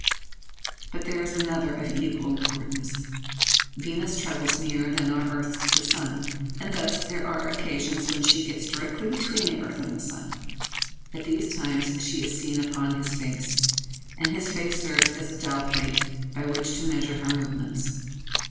But there is another of equal importance. Venus travels nearer than our earth to the sun. And thus there are occasions when she gets directly between the earth and the sun. At those times she is seen upon his face, and his face serves as a dial plate by which to measure her movements.